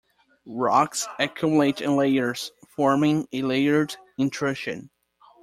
Rocks accumulate in layers, forming a layered intrusion.